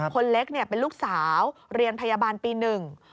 คนเล็กเนี่ยเป็นลูกสาวเรียนพยาบาลปีหนึ่ง